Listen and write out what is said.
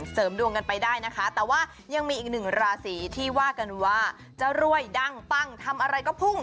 เสริมดวงกันไปได้นะคะแต่ว่ายังมีอีกหนึ่งราศีที่ว่ากันว่าจะรวยดังปั้งทำอะไรก็พุ่ง